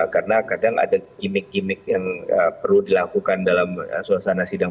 karena kadang ada gimmick gimmick yang perlu dilakukan dalam suasana sidang